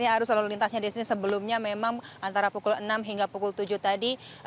arus lalu lintasnya di sini sebelumnya memang antara pukul enam hingga pukul tujuh tadi